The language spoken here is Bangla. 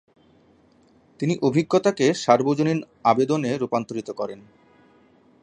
তিনি অভিজ্ঞতাকে সার্বজনীন আবেদনে রূপান্তরিত করেন।